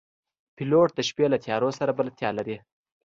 پیلوټ د شپې له تیارو سره بلدتیا لري.